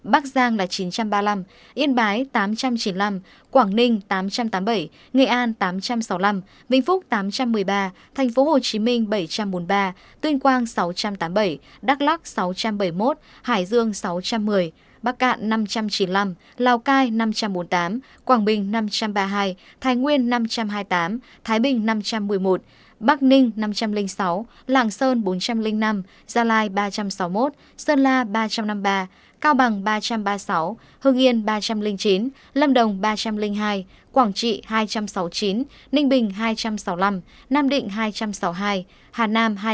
bắc giang là chín trăm ba mươi năm yên bái tám trăm chín mươi năm quảng ninh tám trăm tám mươi bảy nghệ an tám trăm sáu mươi năm vĩnh phúc tám trăm một mươi ba tp hcm bảy trăm bốn mươi ba tuyên quang sáu trăm tám mươi bảy đắk lắc sáu trăm bảy mươi một hải dương sáu trăm một mươi bắc cạn năm trăm chín mươi năm lào cai năm trăm bốn mươi tám quảng bình năm trăm ba mươi hai thái nguyên năm trăm hai mươi tám thái bình năm trăm một mươi một bắc ninh năm trăm linh sáu lạng sơn bốn trăm linh năm gia lai ba trăm sáu mươi một sơn la ba trăm một mươi năm